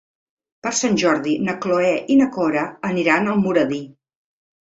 Per Sant Jordi na Cloè i na Cora aniran a Almoradí.